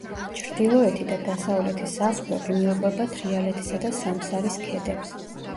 ჩრდილოეთი და დასავლეთი საზღვრები მიუყვება თრიალეთისა და სამსარის ქედებს.